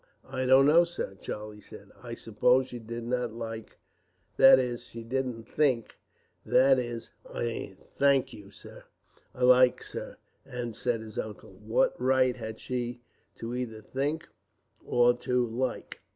"I don't know, sir," Charlie said. "I suppose she did not like that is, she didn't think that is " "Think, sir! Like, sir!" said his uncle. "What right had she either to think or to like?